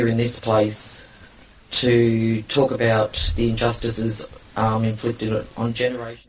tapi di sini kita berbicara tentang kebenaran yang telah dilakukan pada generasi